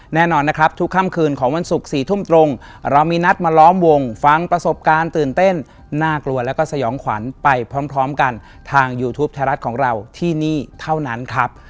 แน่นอนนะครับทุกค่ำคืนของวันศุกร์๔ทุ่มตรงเรามีนัดมาล้อมวงฟังประสบการณ์ตื่นเต้นน่ากลัวแล้วก็สยองขวัญไปพร้อมกันทางยูทูปไทยรัฐของเราที่นี่เท่านั้นครับ